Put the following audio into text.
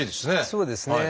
そうですね。